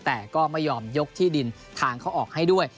แต่ก็ไม่ยอมยกที่ดินทางเข้าออกให้ด้วย